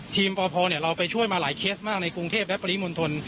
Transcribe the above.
ปพเราไปช่วยมาหลายเคสมากในกรุงเทพและปริมณฑล